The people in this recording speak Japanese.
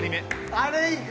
あれいく？